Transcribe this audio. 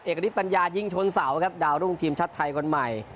เอกฤทธปัญญายิงชนเสาครับดาวรุ่งทีมชาติไทยคนใหม่